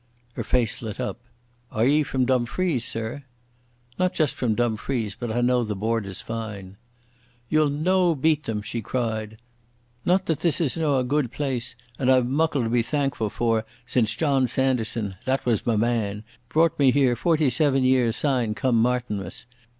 Her face lit up. "Are ye from Dumfries, sir?" "Not just from Dumfries, but I know the Borders fine." "Ye'll no beat them," she cried. "Not that this is no a guid place and I've muckle to be thankfu' for since John Sanderson—that was ma man—brought me here forty seeven year syne come Martinmas.